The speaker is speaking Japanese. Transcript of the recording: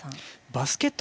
バスケット